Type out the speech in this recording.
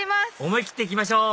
思い切って行きましょう！